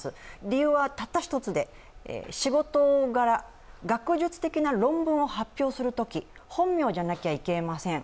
理由は、たった一つで、仕事柄学術的な論文を発表するとき、本名じゃなきゃいけません。